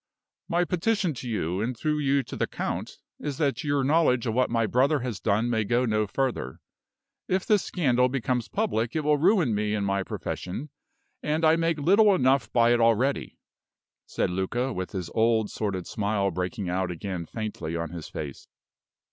"My petition to you, and through you to the count, is, that your knowledge of what my brother has done may go no further. If this scandal becomes public it will ruin me in my profession. And I make little enough by it already," said Luca, with his old sordid smile breaking out again faintly on his face.